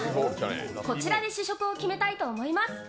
こちらで試食を決めたいと思います。